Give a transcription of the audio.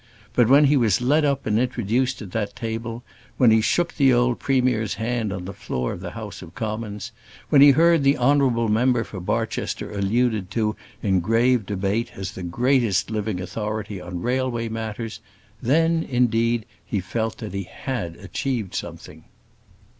But when he was led up and introduced at that table, when he shook the old premier's hand on the floor of the House of Commons, when he heard the honourable member for Barchester alluded to in grave debate as the greatest living authority on railway matters, then, indeed, he felt that he had achieved something.